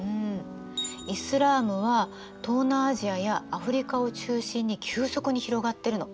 イスラームは東南アジアやアフリカを中心に急速に広がってるの。